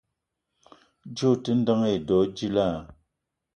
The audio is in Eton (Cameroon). Djeue ote ndeng edo djila?